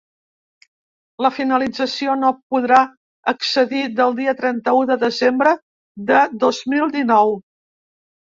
La finalització no podrà excedir del dia trenta-u de desembre de dos mil dinou.